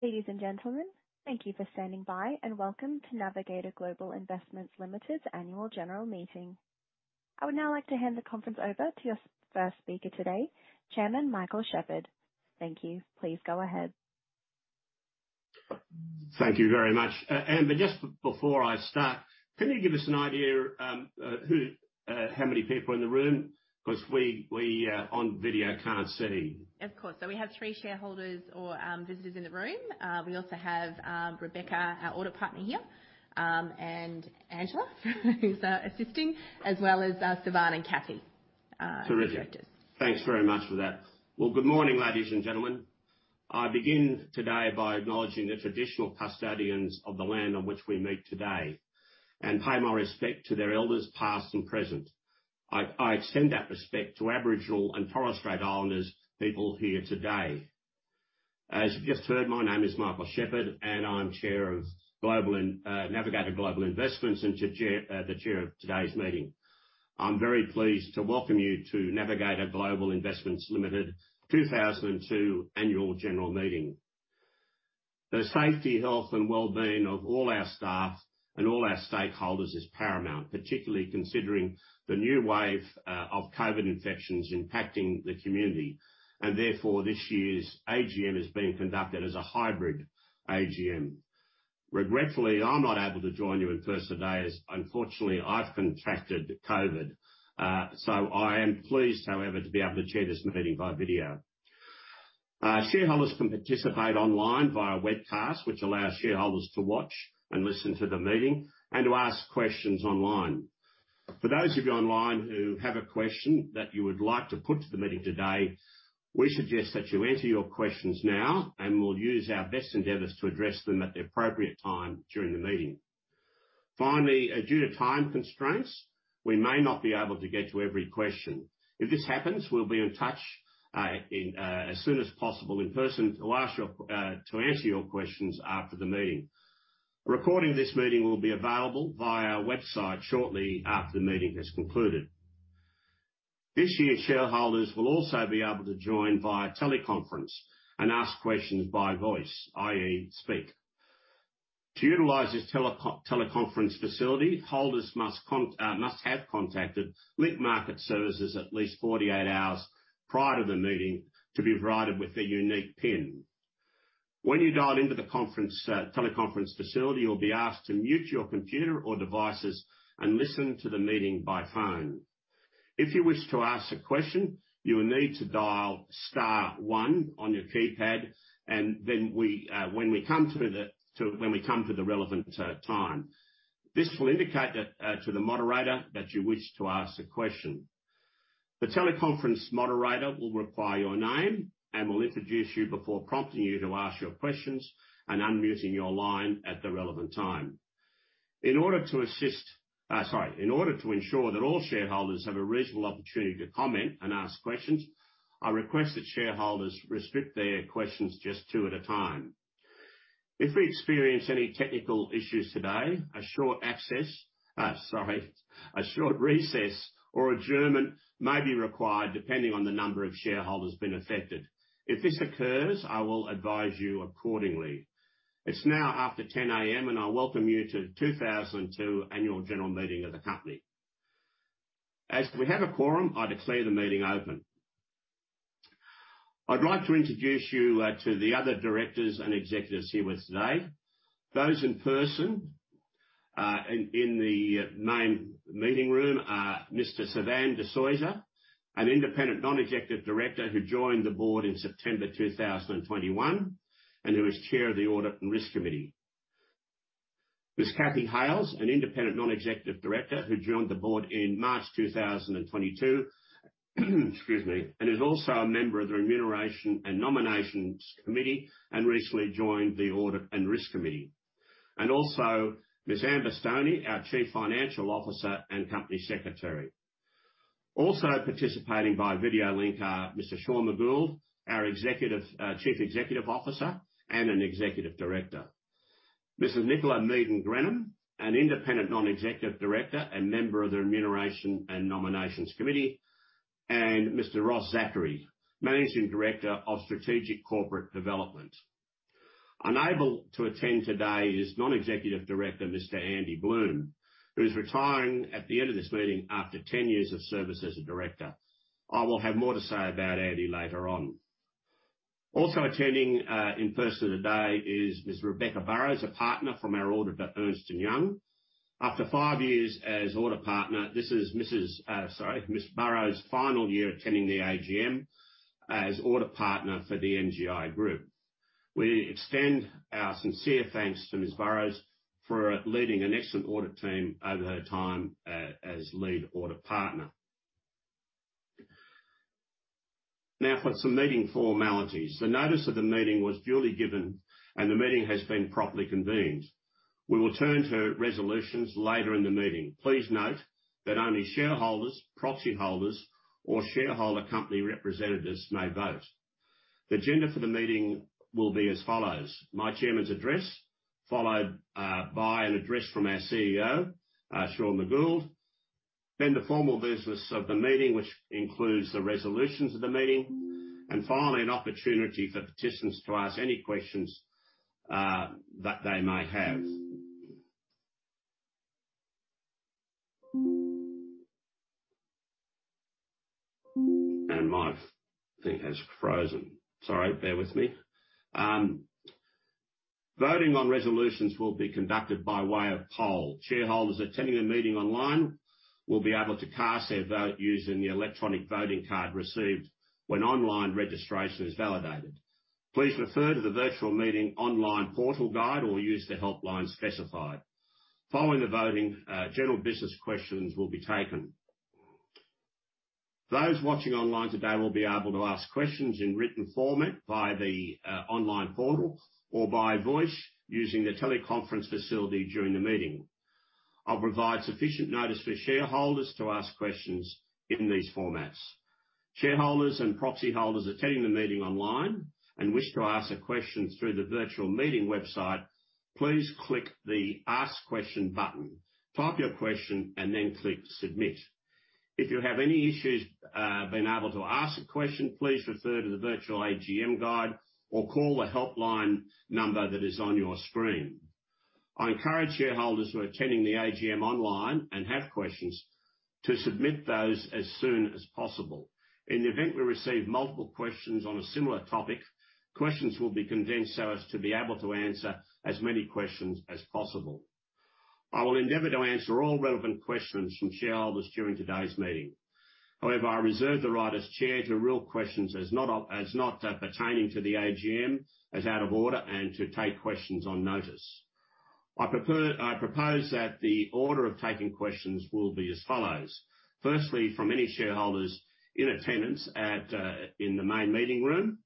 Ladies and gentlemen, thank you for standing by, and welcome to Navigator Global Investments Limited Annual General Meeting. I would now like to hand the conference over to your first speaker today, Chairman Michael Shepherd. Thank you. Please go ahead. Thank you very much. Amber, just before I start, can you give us an idea, how many people are in the room? 'Cause we on video can't see. Of course. We have three shareholders or visitors in the room. We also have Rebecca, our audit partner here, and Angela who's assisting, as well as Suvan and Cathy. Terrific. our directors. Thanks very much for that. Well, good morning, ladies and gentlemen. I begin today by acknowledging the traditional custodians of the land on which we meet today and pay my respect to their elders, past and present. I extend that respect to Aboriginal and Torres Strait Islander people here today. As you've just heard, my name is Michael Shepherd, and I'm Chair of Navigator Global Investments and the chair of today's meeting. I'm very pleased to welcome you to Navigator Global Investments Limited 2022 Annual General Meeting. The safety, health, and wellbeing of all our staff and all our stakeholders is paramount, particularly considering the new wave of COVID infections impacting the community. Therefore, this year's AGM is being conducted as a hybrid AGM. Regretfully, I'm not able to join you in person today as unfortunately I've contracted COVID. I am pleased, however, to be able to chair this meeting via video. Shareholders can participate online via webcast, which allows shareholders to watch and listen to the meeting and to ask questions online. For those of you online who have a question that you would like to put to the meeting today, we suggest that you enter your questions now, and we'll use our best endeavors to address them at the appropriate time during the meeting. Finally, due to time constraints, we may not be able to get to every question. If this happens, we'll be in touch as soon as possible in person to answer your questions after the meeting. A recording of this meeting will be available via our website shortly after the meeting has concluded. This year, shareholders will also be able to join via teleconference and ask questions by voice, i.e., speak. To utilize this teleconference facility, holders must have contacted Link Market Services at least 48 hours prior to the meeting to be provided with a unique PIN. When you dial into the teleconference facility, you'll be asked to mute your computer or devices and listen to the meeting by phone. If you wish to ask a question, you will need to dial star one on your keypad and then when we come to the relevant time. This will indicate that to the moderator that you wish to ask a question. The teleconference moderator will require your name and will introduce you before prompting you to ask your questions and unmuting your line at the relevant time. In order to ensure that all shareholders have a reasonable opportunity to comment and ask questions, I request that shareholders restrict their questions just two at a time. If we experience any technical issues today, a short recess or adjournment may be required depending on the number of shareholders being affected. If this occurs, I will advise you accordingly. It's now after 10 A.M., and I'll welcome you to 2022 Annual General Meeting of the company. As we have a quorum, I declare the meeting open. I'd like to introduce you to the other directors and executives here with us today. Those in person in the main meeting room are Mr. Suvan de Soysa, an independent non-executive director who joined the board in September 2021 and who is chair of the Audit and Risk Committee. Ms. Cathy Hales, an independent non-executive director who joined the board in March 2022. Excuse me. Is also a member of the Remuneration and Nominations Committee and recently joined the Audit and Risk Committee. And also Ms. Amber Stoney, our chief financial officer and company secretary. Also participating via video link are Mr. Sean McGould, our executive chief executive officer and an executive director. Mrs. Nicola Meaden-Grenham, an independent non-executive director and member of the Remuneration and Nominations Committee, and Mr. Ross Zachary, managing director of Strategic Corporate Development. Unable to attend today is non-executive director, Mr. Andy Bluhm, who is retiring at the end of this meeting after 10 years of service as a director. I will have more to say about Andy later on. Also attending, in person today is Ms. Rebecca Burrows, a partner from our auditor, Ernst & Young. After five years as audit partner, this is Ms. Burrows' final year attending the AGM as audit partner for the NGI group. We extend our sincere thanks to Ms. Burrows for leading an excellent audit team over her time, as lead audit partner. Now for some meeting formalities. The notice of the meeting was duly given, and the meeting has been properly convened. We will turn to resolutions later in the meeting. Please note that only shareholders, proxy holders, or shareholder company representatives may vote. The agenda for the meeting will be as follows. My Chairman's Address, followed by an address from our CEO, Sean McGould. The formal business of the meeting, which includes the resolutions of the meeting. Finally, an opportunity for participants to ask any questions that they may have. My thing has frozen. Sorry, bear with me. Voting on resolutions will be conducted by way of poll. Shareholders attending the meeting online will be able to cast their vote using the electronic voting card received when online registration is validated. Please refer to the virtual meeting online portal guide or use the helpline specified. Following the voting, general business questions will be taken. Those watching online today will be able to ask questions in written format via the online portal or by voice using the teleconference facility during the meeting. I'll provide sufficient notice for shareholders to ask questions in these formats. Shareholders and proxy holders attending the meeting online and wish to ask a question through the virtual meeting website, please click the Ask Question button, type your question, and then click Submit. If you have any issues being able to ask a question, please refer to the virtual AGM guide or call the helpline number that is on your screen. I encourage shareholders who are attending the AGM online and have questions to submit those as soon as possible. In the event we receive multiple questions on a similar topic, questions will be condensed so as to be able to answer as many questions as possible. I will endeavor to answer all relevant questions from shareholders during today's meeting. However, I reserve the right as chair to rule questions as not pertaining to the AGM as out of order and to take questions on notice. I propose that the order of taking questions will be as follows, firstly, from any shareholders in attendance at in the main meeting room.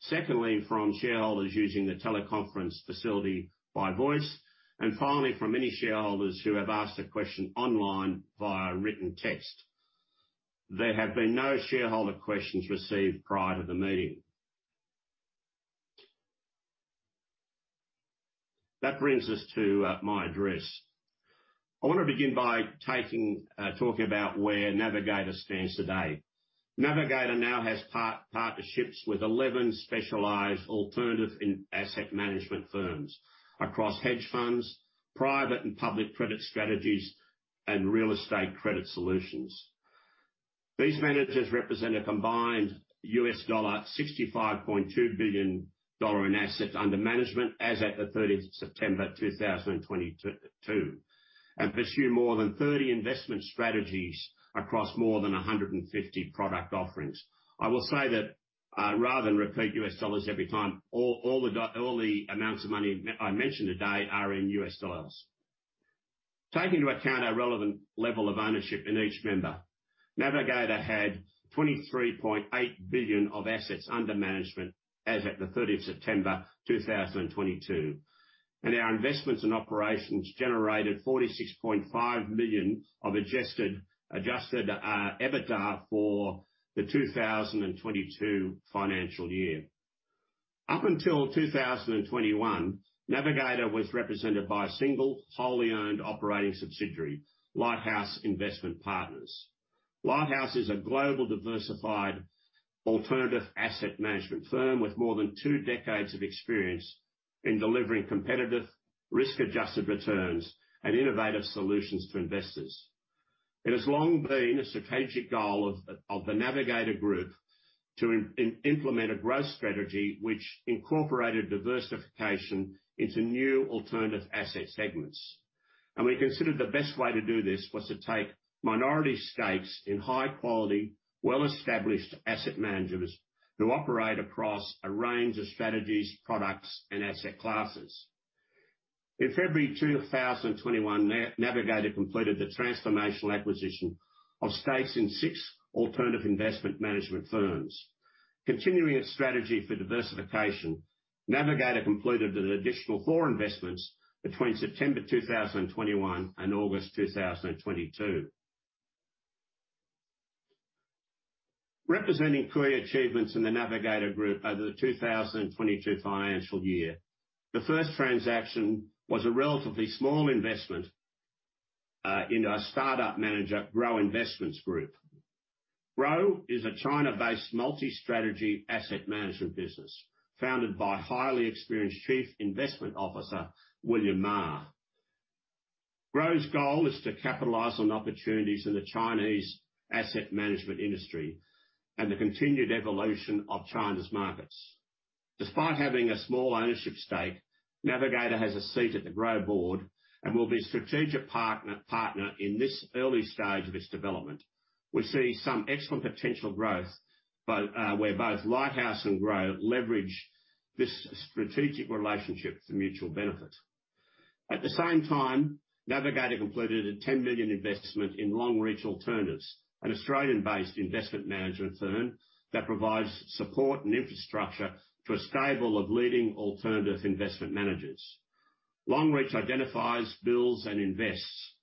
Secondly, from shareholders using the teleconference facility by voice, and finally, from any shareholders who have asked a question online via written text. There have been no shareholder questions received prior to the meeting. That brings us to my address. I wanna begin by talking about where Navigator stands today. Navigator now has partnerships with 11 specialized alternative asset management firms across hedge funds, private and public credit strategies, and real estate credit solutions. These managers represent a combined $65.2 billion in assets under management as at the 30th of September 2022, and pursue more than 30 investment strategies across more than 150 product offerings. I will say that, rather than repeat US dollars every time, all the amounts of money I mention today are in US dollars. Taking into account our relevant level of ownership in each member, Navigator had $23.8 billion of assets under management as at 30 September 2022. Our investments in operations generated $46.5 million of adjusted EBITDA for the 2022 financial year. Up until 2021, Navigator was represented by a single wholly owned operating subsidiary, Lighthouse Investment Partners. Lighthouse is a global diversified alternative asset management firm with more than two decades of experience in delivering competitive risk-adjusted returns and innovative solutions to investors. It has long been a strategic goal of the Navigator Group to implement a growth strategy which incorporated diversification into new alternative asset segments. We considered the best way to do this was to take minority stakes in high quality, well-established asset managers who operate across a range of strategies, products, and asset classes. In February 2021, Navigator completed the transformational acquisition of stakes in six alternative investment management firms. Continuing its strategy for diversification, Navigator completed an additional four investments between September 2021 and August 2022. Representing key achievements in the Navigator Group over the 2022 financial year, the first transaction was a relatively small investment into our startup manager, GROW Investment Group. GROW is a China-based multi-strategy asset management business founded by highly experienced Chief Investment Officer William Ma. GROW's goal is to capitalize on opportunities in the Chinese asset management industry and the continued evolution of China's markets. Despite having a small ownership stake, Navigator has a seat at the GROW board and will be a strategic partner in this early stage of its development. We see some excellent potential growth where both Lighthouse and GROW leverage this strategic relationship for mutual benefit. At the same time, Navigator completed a 10 million investment in Longreach Alternatives, an Australian-based investment management firm that provides support and infrastructure to a stable of leading alternative investment managers. Longreach identifies, builds, and invests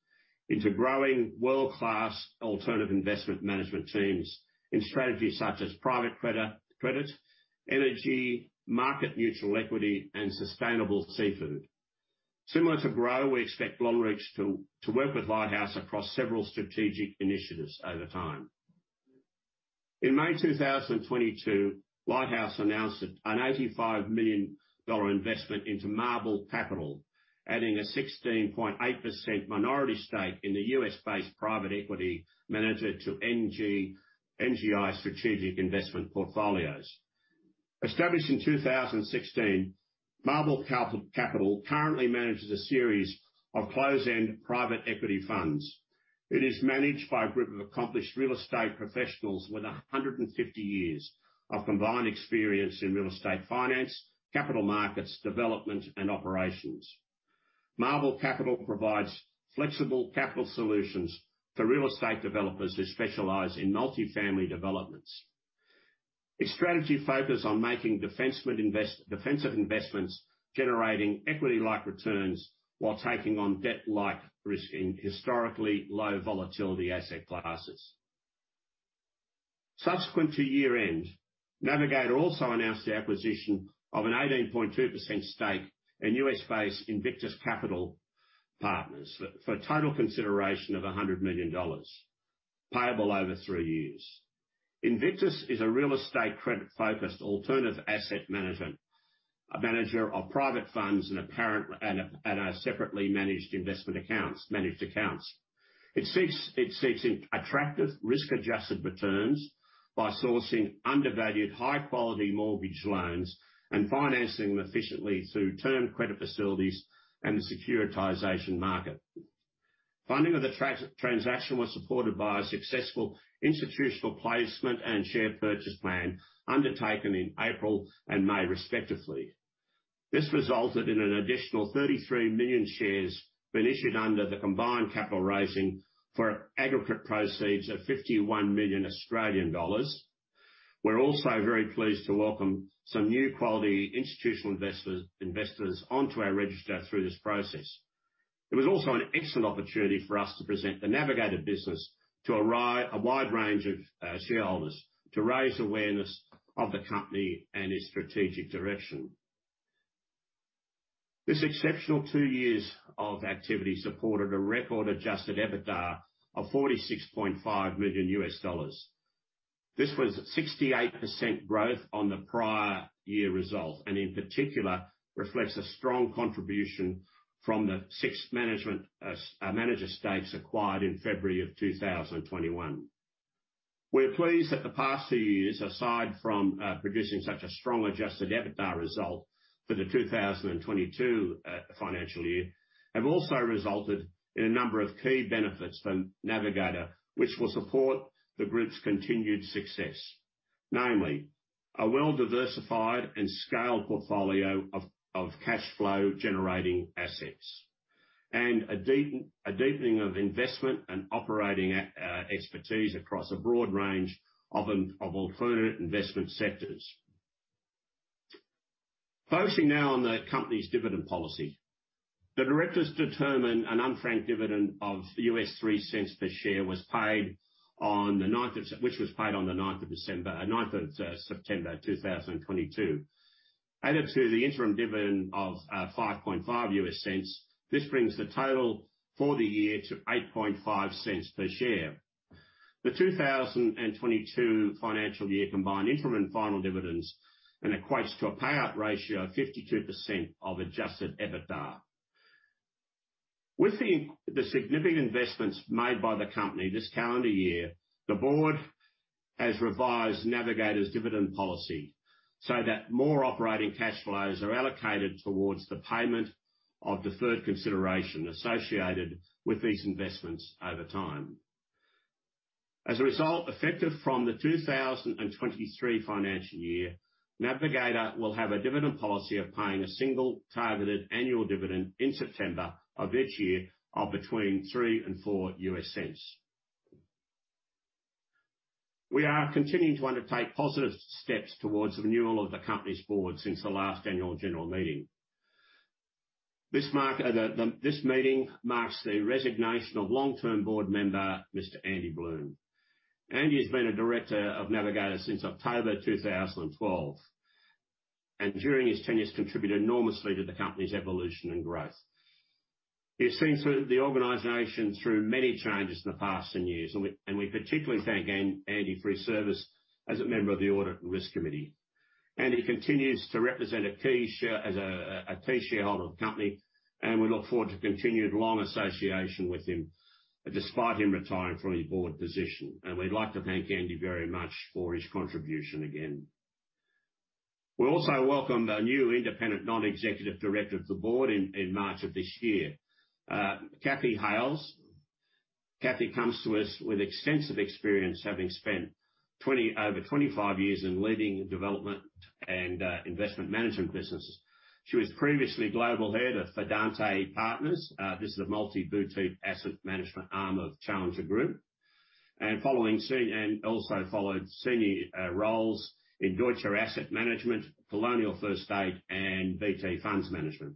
into growing world-class alternative investment management teams in strategies such as private credit, energy, market neutral equity, and sustainable seafood. Similar to GROW, we expect Longreach to work with Lighthouse across several strategic initiatives over time. In May 2022, Lighthouse announced a $85 million investment into Marble Capital, adding a 16.8% minority stake in the U.S.-based private equity manager to NGI strategic investment portfolios. Established in 2016, Marble Capital currently manages a series of closed-end private equity funds. It is managed by a group of accomplished real estate professionals with 150 years of combined experience in real estate finance, capital markets, development, and operations. Marble Capital provides flexible capital solutions to real estate developers who specialize in multifamily developments. Its strategy focuses on making defensive investments, generating equity-like returns while taking on debt-like risk in historically low volatility asset classes. Subsequent to year-end, Navigator also announced the acquisition of an 18.2% stake in US-based Invictus Capital Partners for a total consideration of $100 million payable over three years. Invictus is a real estate credit-focused alternative asset manager of private funds and separately managed investment accounts, managed accounts. It seeks attractive risk-adjusted returns by sourcing undervalued, high quality mortgage loans and financing them efficiently through term credit facilities and the securitization market. Funding of the transaction was supported by a successful institutional placement and share purchase plan undertaken in April and May, respectively. This resulted in an additional 33 million shares being issued under the combined capital raising for aggregate proceeds of 51 million Australian dollars. We're also very pleased to welcome some new quality institutional investors onto our register through this process. It was also an excellent opportunity for us to present the Navigator business to a wide range of shareholders to raise awareness of the company and its strategic direction. This exceptional two years of activity supported a record adjusted EBITDA of $46.5 million. This was 68% growth on the prior year result, and in particular reflects a strong contribution from the six manager stakes acquired in February of 2021. We're pleased that the past two years, aside from producing such a strong adjusted EBITDA result for the 2022 financial year, have also resulted in a number of key benefits for Navigator which will support the group's continued success. Namely, a well-diversified and scaled portfolio of cash flow generating assets, and a deepening of investment and operating expertise across a broad range of alternative investment sectors. Focusing now on the company's dividend policy. The directors determined an unfranked dividend of $0.03 per share was paid on the ninth of September 2022. Added to the interim dividend of $0.055, this brings the total for the year to $0.085 per share. The 2022 financial year combined interim and final dividends equates to a payout ratio of 52% of adjusted EBITDA. With the significant investments made by the company this calendar year, the board has revised Navigator's dividend policy so that more operating cash flows are allocated towards the payment of deferred consideration associated with these investments over time. As a result, effective from the 2023 financial year, Navigator will have a dividend policy of paying a single targeted annual dividend in September of each year of between $0.03-$0.04. We are continuing to undertake positive steps towards renewal of the company's board since the last annual general meeting. This meeting marks the resignation of long-term board member, Mr. Andy Bluhm. Andy has been a director of Navigator since October 2012, and during his tenure has contributed enormously to the company's evolution and growth. He has seen the organization through many changes in the past 10 years, and we particularly thank Andy for his service as a member of the Audit and Risk Committee. Andy continues to represent a key shareholder of the company, and we look forward to continued long association with him, despite him retiring from his board position. We'd like to thank Andy very much for his contribution again. We also welcomed a new independent non-executive director of the board in March of this year. Cathy Hales. Cathy comes to us with extensive experience, having spent over 25 years in leading development and investment management businesses. She was previously global head of Fidante Partners, this is a multi-boutique asset management arm of Challenger Group. Followed senior roles in Deutsche Asset Management, Colonial First State, and BT Funds Management.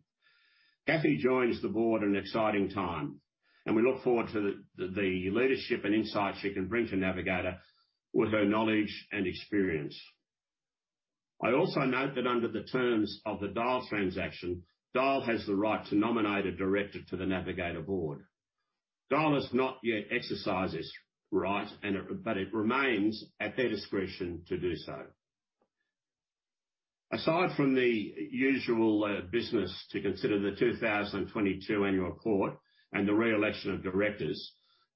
Cathy joins the board at an exciting time, and we look forward to the leadership and insights she can bring to Navigator with her knowledge and experience. I also note that under the terms of the Dyal transaction, Dyal has the right to nominate a director to the Navigator board. Dyal has not yet exercised this right, but it remains at their discretion to do so. Aside from the usual business to consider the 2022 annual report and the re-election of directors,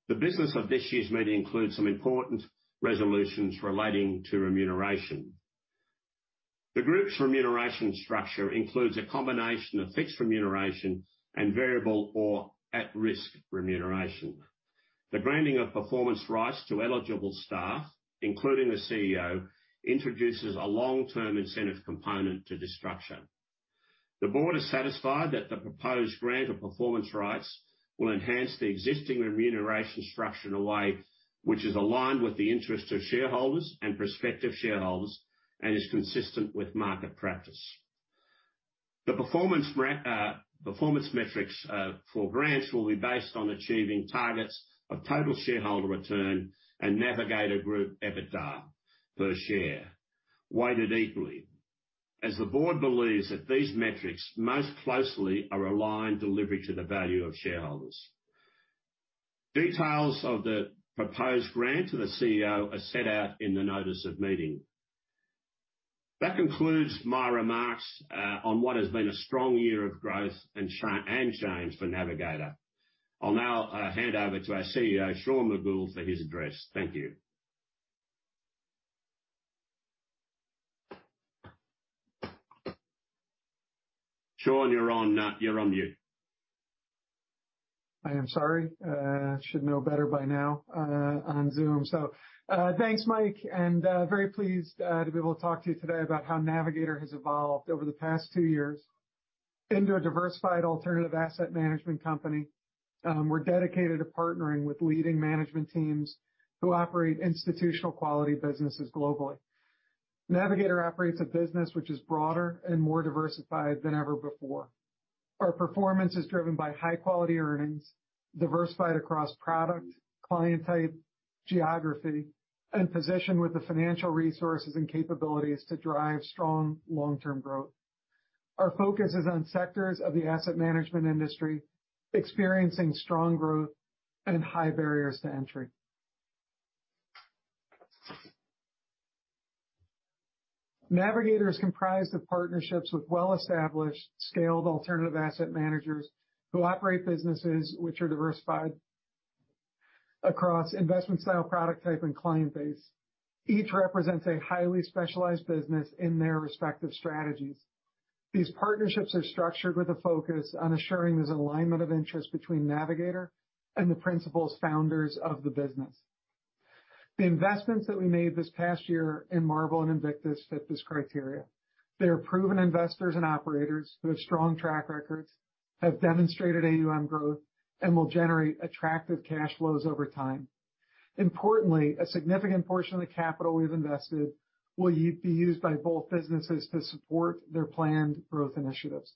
the business of this year's meeting includes some important resolutions relating to remuneration. The group's remuneration structure includes a combination of fixed remuneration and variable or at-risk remuneration. The granting of performance rights to eligible staff, including the CEO, introduces a long-term incentive component to this structure. The board is satisfied that the proposed grant of performance rights will enhance the existing remuneration structure in a way which is aligned with the interests of shareholders and prospective shareholders and is consistent with market practice. The performance metrics for grants will be based on achieving targets of total shareholder return and Navigator group EBITDA per share, weighted equally, as the board believes that these metrics most closely are aligned delivery to the value of shareholders. Details of the proposed grant to the CEO are set out in the notice of meeting. That concludes my remarks on what has been a strong year of growth and change for Navigator. I'll now hand over to our CEO, Sean McGould, for his address. Thank you. Sean, you're on mute. I am sorry. Should know better by now, on Zoom. Thanks, Mike, and very pleased to be able to talk to you today about how Navigator has evolved over the past two years into a diversified alternative asset management company. We're dedicated to partnering with leading management teams who operate institutional quality businesses globally. Navigator operates a business which is broader and more diversified than ever before. Our performance is driven by high quality earnings, diversified across product, client type, geography, and position with the financial resources and capabilities to drive strong long-term growth. Our focus is on sectors of the asset management industry experiencing strong growth and high barriers to entry. Navigator is comprised of partnerships with well-established, scaled alternative asset managers who operate businesses which are diversified across investment style, product type, and client base. Each represents a highly specialized business in their respective strategies. These partnerships are structured with a focus on ensuring there's an alignment of interest between Navigator and the principal founders of the business. The investments that we made this past year in Marble and Invictus fit this criteria. They are proven investors and operators who have strong track records, have demonstrated AUM growth, and will generate attractive cash flows over time. Importantly, a significant portion of the capital we've invested will be used by both businesses to support their planned growth initiatives.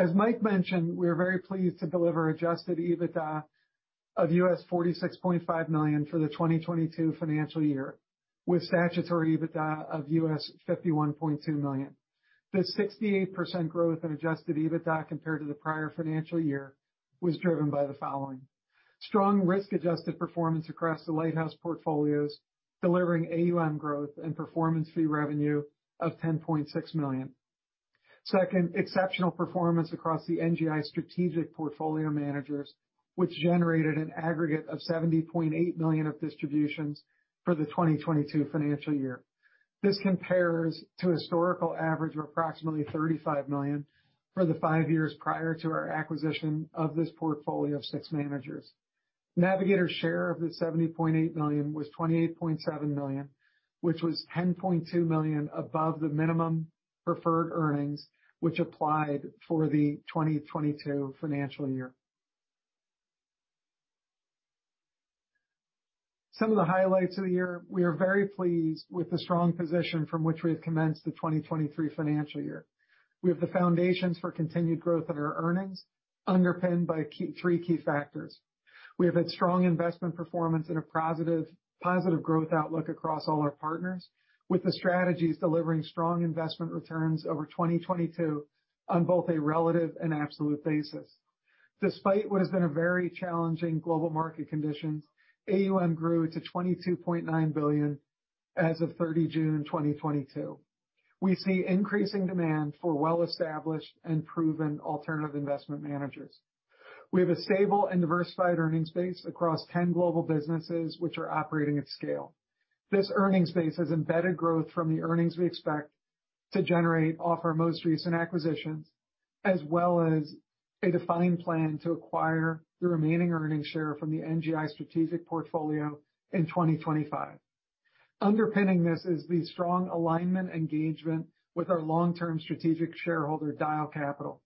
As Mike mentioned, we're very pleased to deliver adjusted EBITDA of $46.5 million for the 2022 financial year, with statutory EBITDA of $51.2 million. The 68% growth in adjusted EBITDA compared to the prior financial year was driven by the following. Strong risk-adjusted performance across the Lighthouse portfolios, delivering AUM growth and performance fee revenue of $10.6 million. Second, exceptional performance across the NGI Strategic Portfolio managers, which generated an aggregate of $70.8 million of distributions for the 2022 financial year. This compares to a historical average of approximately $35 million for the five years prior to our acquisition of this portfolio of six managers. Navigator's share of the $70.8 million was $28.7 million, which was $10.2 million above the minimum preferred earnings which applied for the 2022 financial year. Some of the highlights of the year. We are very pleased with the strong position from which we have commenced the 2023 financial year. We have the foundations for continued growth of our earnings underpinned by key, three key factors. We have had strong investment performance and a positive growth outlook across all our partners, with the strategies delivering strong investment returns over 2022 on both a relative and absolute basis. Despite what has been a very challenging global market conditions, AUM grew to $22.9 billion as of 30 June 2022. We see increasing demand for well-established and proven alternative investment managers. We have a stable and diversified earnings base across 10 global businesses which are operating at scale. This earnings base has embedded growth from the earnings we expect to generate off our most recent acquisitions, as well as a defined plan to acquire the remaining earnings share from the NGI Strategic Portfolio in 2025. Underpinning this is the strong alignment engagement with our long-term strategic shareholder, Dyal Capital.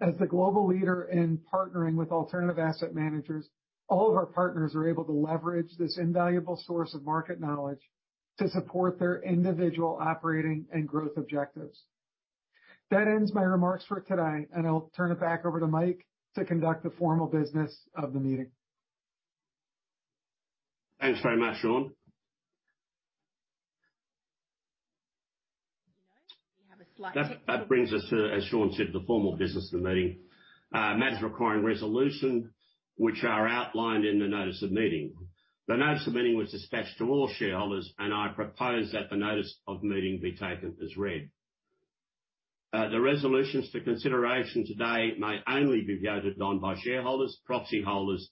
As the global leader in partnering with alternative asset managers, all of our partners are able to leverage this invaluable source of market knowledge to support their individual operating and growth objectives. That ends my remarks for today, and I'll turn it back over to Mike to conduct the formal business of the meeting. Thanks very much, Sean. You know, we have a slight. That brings us to, as Shaun said, the formal business of the meeting. Matters requiring resolution, which are outlined in the notice of meeting. The notice of meeting was dispatched to all shareholders, and I propose that the notice of meeting be taken as read. The resolutions for consideration today may only be voted on by shareholders, proxy holders,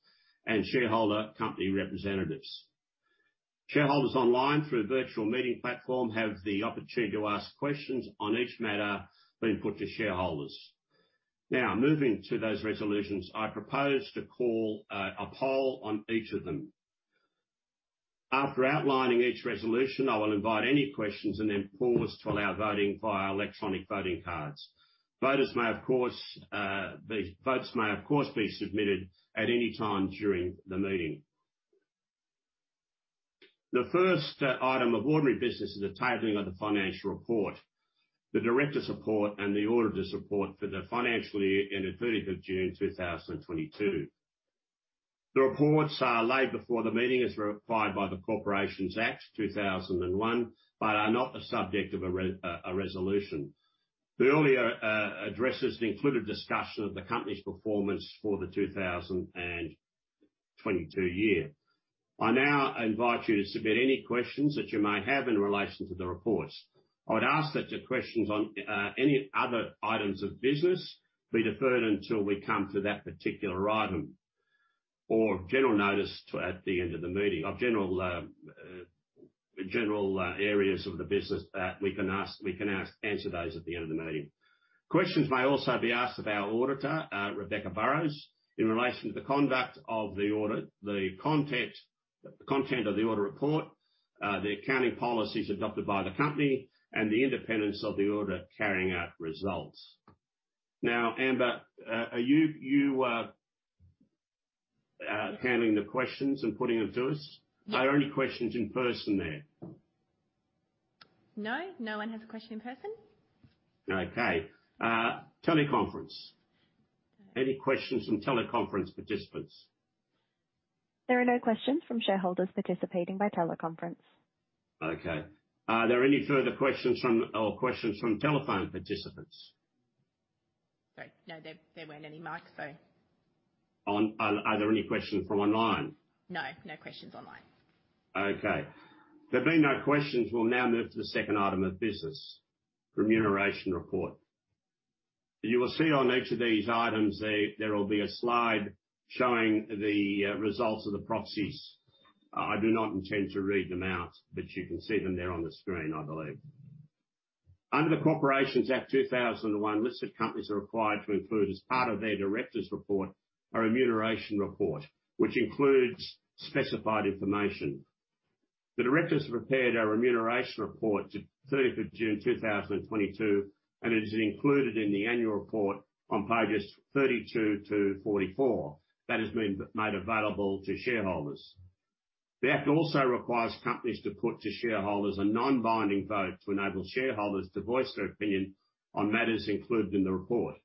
and shareholder company representatives. Shareholders online through a virtual meeting platform have the opportunity to ask questions on each matter being put to shareholders. Now, moving to those resolutions, I propose to call a poll on each of them. After outlining each resolution, I will invite any questions and then pause to allow voting via electronic voting cards. Votes may, of course, be submitted at any time during the meeting. The first item of ordinary business is the tabling of the financial report, the directors' report, and the auditor's report for the financial year ending thirtieth of June 2022. The reports are laid before the meeting as required by the Corporations Act 2001, but are not the subject of a resolution. The earlier addresses included discussion of the company's performance for the 2022 year. I now invite you to submit any questions that you may have in relation to the reports. I would ask that the questions on any other items of business be deferred until we come to that particular item or general notice at the end of the meeting. For general areas of the business, we can ask and answer those at the end of the meeting. Questions may also be asked of our auditor, Rebecca Burrows, in relation to the conduct of the audit, the content of the audit report, the accounting policies adopted by the company, and the independence of the auditor carrying out results. Now, Amber, are you handling the questions and putting them to us? Yes. Are there any questions in person there? No. No one has a question in person. Okay. Teleconference. Any questions from teleconference participants? There are no questions from shareholders participating by teleconference. Okay. Are there any further questions or questions from telephone participants? Sorry. No, there weren't any, Mike, so. Are there any questions from online? No. No questions online. Okay. There being no questions, we'll now move to the second item of business, remuneration report. You will see on each of these items there will be a slide showing the results of the proxies. I do not intend to read them out, but you can see them there on the screen, I believe. Under the Corporations Act 2001, listed companies are required to include, as part of their directors' report, a remuneration report which includes specified information. The directors have prepared our remuneration report to 30th of June 2022, and it is included in the annual report on pages 32 to 44. That has been made available to shareholders. The act also requires companies to put to shareholders a non-binding vote to enable shareholders to voice their opinion on matters included in the report.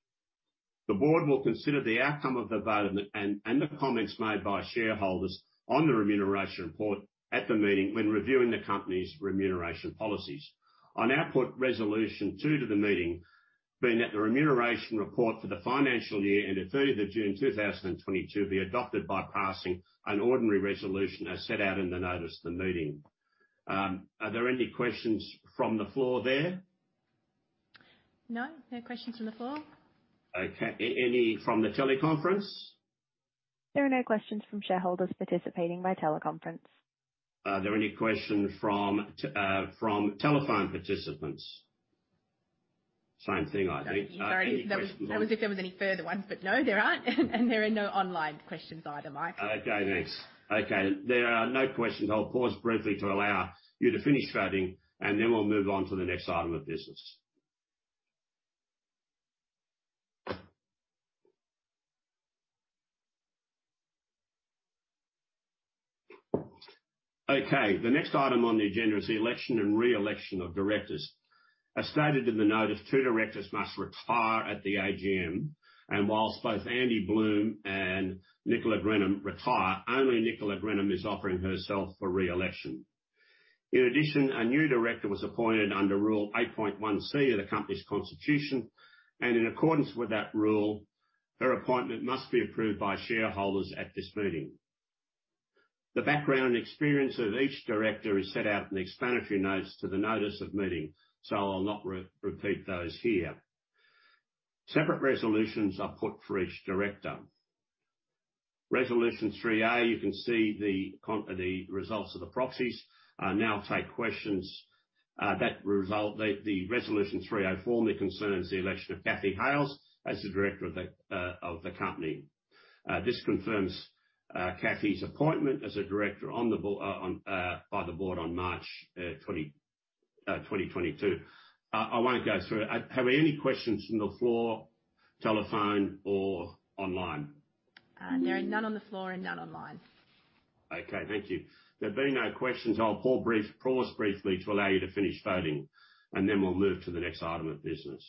The board will consider the outcome of the vote and the comments made by shareholders on the remuneration report at the meeting when reviewing the company's remuneration policies. I now put resolution two to the meeting, being that the remuneration report for the financial year ending thirtieth of June 2022 be adopted by passing an ordinary resolution as set out in the notice of the meeting. Are there any questions from the floor there? No. No questions from the floor. Okay. Any from the teleconference? There are no questions from shareholders participating by teleconference. Are there any questions from telephone participants? Same thing, I think. Sorry. Any questions on. That was if there was any further ones. No, there aren't. There are no online questions either, Mike. Okay, thanks. Okay, there are no questions. I'll pause briefly to allow you to finish voting, and then we'll move on to the next item of business. Okay. The next item on the agenda is the election and re-election of directors. As stated in the notice, two directors must retire at the AGM. While both Andy Bluhm and Nicola Meaden-Grenham retire, only Nicola Meaden-Grenham is offering herself for re-election. In addition, a new director was appointed under Rule 8.1C of the company's constitution, and in accordance with that rule, her appointment must be approved by shareholders at this meeting. The background experience of each director is set out in the explanatory notes to the notice of meeting, so I'll not re-repeat those here. Separate resolutions are put for each director. Resolution 3A, you can see the results of the proxies. I now take questions. The Resolution three formally concerns the election of Cathy Hales as a director of the company. This confirms Cathy's appointment as a director by the board on March 2022. I won't go through it. Are there any questions from the floor, telephone, or online? There are none on the floor and none online. Okay, thank you. There being no questions, I'll pause briefly to allow you to finish voting, and then we'll move to the next item of business.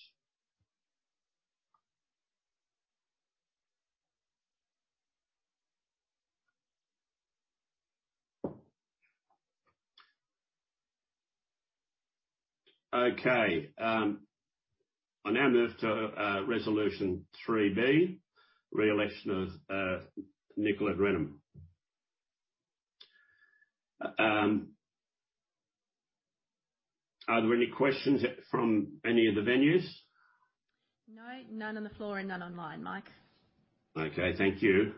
Okay, I now move to resolution 3B, re-election of Nicola Meaden-Grenham. Are there any questions from any of the venues? No, none on the floor and none online, Mike. Okay. Thank you.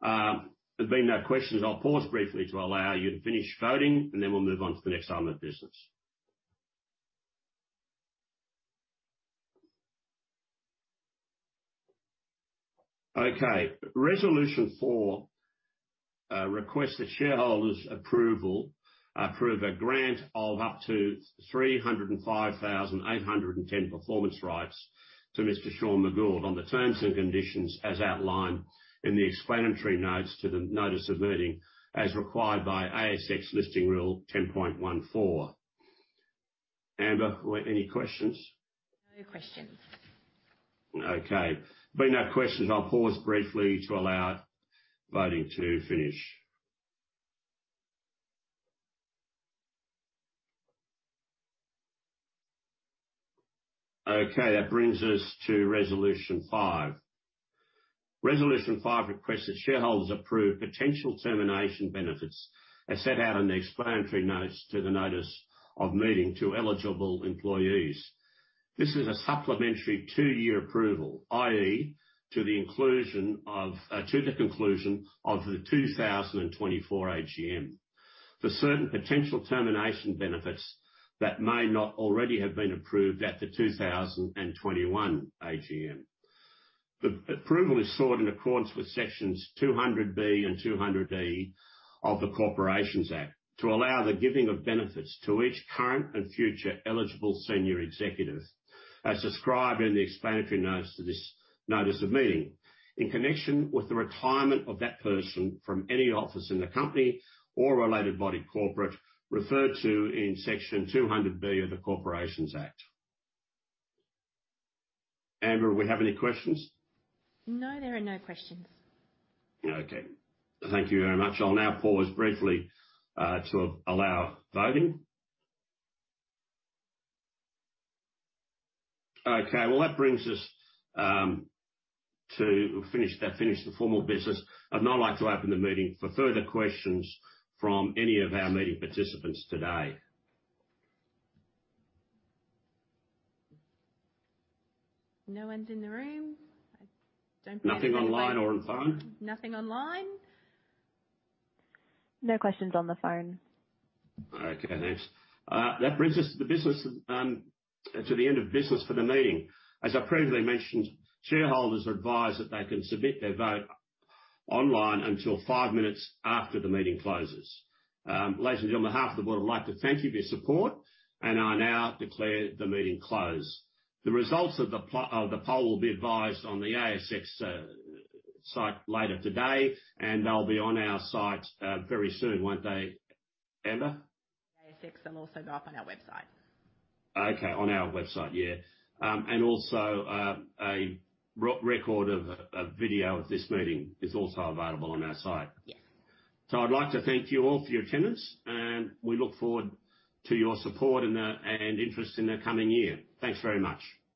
There being no questions, I'll pause briefly to allow you to finish voting, and then we'll move on to the next item of business. Okay, resolution four requests the shareholders' approval, approve a grant of up to 305,810 performance rights to Mr. Sean McGould on the terms and conditions as outlined in the explanatory notes to the notice of meeting, as required by ASX listing rule 10.14. Amber, were any questions? No questions. Okay. There being no questions, I'll pause briefly to allow voting to finish. Okay. That brings us to resolution five. Resolution five requests that shareholders approve potential termination benefits as set out in the explanatory notes to the notice of meeting to eligible employees. This is a supplementary two-year approval, i.e., to the conclusion of the 2024 AGM for certain potential termination benefits that may not already have been approved at the 2021 AGM. The approval is sought in accordance with sections 200B and 200E of the Corporations Act to allow the giving of benefits to each current and future eligible senior executive, as described in the explanatory notes to this notice of meeting, in connection with the retirement of that person from any office in the company or related body corporate referred to in Section 200B of the Corporations Act. Amber, we have any questions? No, there are no questions. Okay. Thank you very much. I'll now pause briefly to allow voting. Okay. Well, that brings us to finish the formal business. I'd now like to open the meeting for further questions from any of our meeting participants today. No one's in the room. Nothing online or on phone? Nothing online. No questions on the phone. Okay, thanks. That brings us to the business, to the end of business for the meeting. As I previously mentioned, shareholders are advised that they can submit their vote online until five minutes after the meeting closes. Ladies and gentlemen, on behalf of the board, I'd like to thank you for your support, and I now declare the meeting closed. The results of the poll will be advised on the ASX site later today, and they'll be on our site very soon, won't they, Amber? ASX, they'll also go up on our website. Okay, on our website. Yeah. A record of a video of this meeting is also available on our site. Yeah. I'd like to thank you all for your attendance, and we look forward to your support and interest in the coming year. Thanks very much.